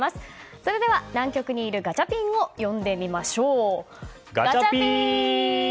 それでは南極にいるガチャピンを読んでみましょう。